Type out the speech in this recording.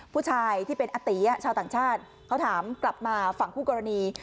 ผู้ชายที่เป็นอติชาวต่างชาติเขาถามกลับมาฝั่งคู่กรณี